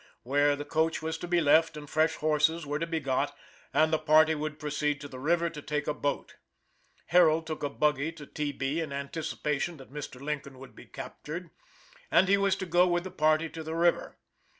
where the coach was to be left and fresh horses were to be got, and the party would proceed to the river to take a boat. Harold took a buggy to "T. B." in anticipation that Mr. Lincoln would be captured, and he was to go with the party to the river.